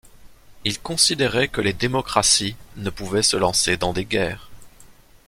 Il considérait que les démocraties ne pouvaient se lancer dans des guerres.